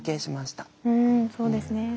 うんそうですね。